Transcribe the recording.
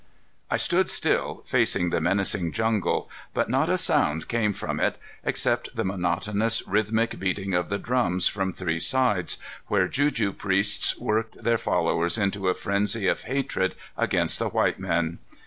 I stood still, facing the menacing jungle, but not a sound came from it except the monotonous, rhythmic beating of the drums from three sides, where juju priests worked their followers into a frenzy of hatred against the white men.